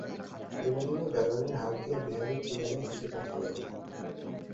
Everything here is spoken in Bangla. বিনোদিনী দরোয়ানের হাত দিয়া বিহারীর ঠিকানায় চিঠি পাঠাইয়া দিল।